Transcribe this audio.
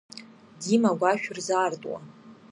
Дима агәашә рзаартуа.